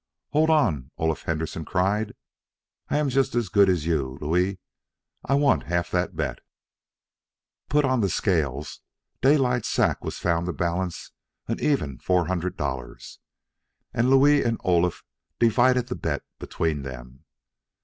"Hold on!" Olaf Henderson cried. "I ban yust as good as you, Louis. I yump half that bet." Put on the scales, Daylight's sack was found to balance an even four hundred dollars, and Louis and Olaf divided the bet between them.